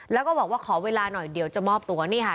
แล้วก็บอกว่าขอเวลาหน่อยเดี๋ยวจะมอบตัวนี่ค่ะ